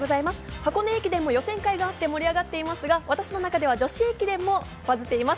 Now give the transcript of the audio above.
箱根駅伝も予選会があって盛り上がっていますが、私の中では女子駅伝でもバズっています。